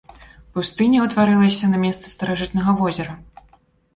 Пустыня ўтварылася на месцы старажытнага возера.